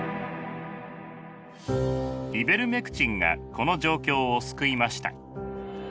イベルメクチンがこの状況を救いました。